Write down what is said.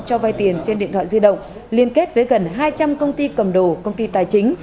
cho vay tiền trên điện thoại di động liên kết với gần hai trăm linh công ty cầm đồ công ty tài chính